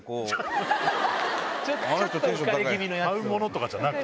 買うものとかじゃなく。